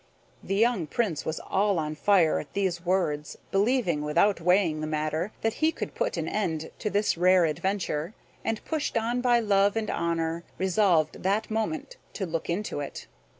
The young Prince was all on fire at these words, believing, without weighing the matter, that he could put an end to this rare adventure; and, pushed on by love and honor, resolved that moment to look into it.